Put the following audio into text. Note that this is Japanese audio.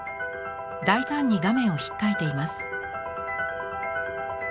大胆に画面をひっかいています。